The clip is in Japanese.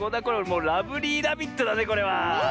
もうラブリーラビットだねこれは。